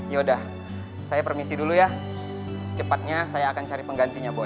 yaudah saya permisi dulu ya secepatnya saya akan cari penggantinya bu